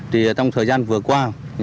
trong thời gian vừa qua